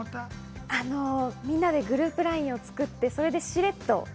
みんなでグループＬＩＮＥを作って、それでしれっと。